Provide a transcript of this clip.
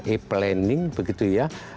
e planning begitu ya